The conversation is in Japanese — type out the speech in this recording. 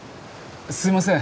すいません。